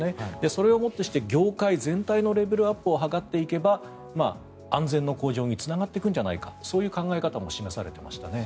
それをもってして業界全体のレベルアップを図っていけば安全の向上につながっていくんじゃないかそういう考え方も示されていましたね。